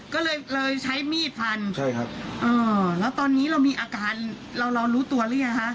ก็เลยเลยใช้มีดฟันใช่ครับอ่าแล้วตอนนี้เรามีอาการเราเรารู้ตัวหรือยังคะ